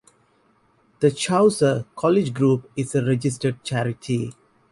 The Chaucer College group is a registered charity.